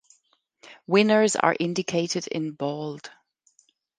Winners are indicated in bold.